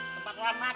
tempat kalian makan